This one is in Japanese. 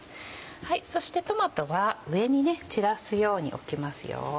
そしてトマトは上に散らすように置きますよ。